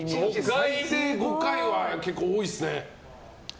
最低５回は結構多いですね。